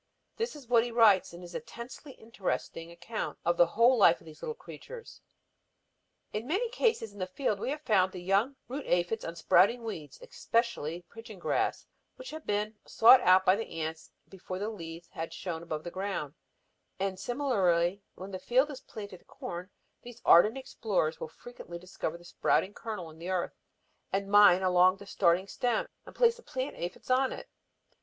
This is what he writes in his intensely interesting account of the whole life of these little insects: "In many cases in the field, we have found the young root aphis on sprouting weeds (especially pigeon grass) which have been sought out by the ants before the leaves had shown above the ground; and, similarly, when the field is planted to corn, these ardent explorers will frequently discover the sprouting kernel in the earth, and mine along the starting stem and place the plant aphids upon it."